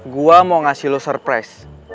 gue mau ngasih lo surprise